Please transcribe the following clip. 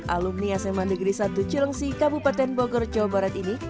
alumni sma negeri satu cilengsi kabupaten bogor jawa barat ini